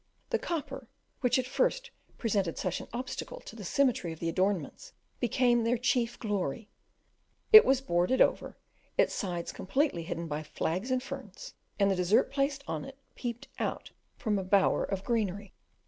The copper, which at first presented such an obstacle to the symmetry of the adornments, became their chief glory; it was boarded over, its sides completely hidden by flags and ferns, and the dessert placed on it peeped out from a bower of greenery.